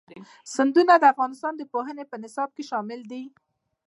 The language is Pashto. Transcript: سیندونه د افغانستان د پوهنې نصاب کې شامل دي.